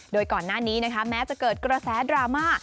โดยก่อนหน้านี้นะคะแม้จะเกิดกระแสดราม่า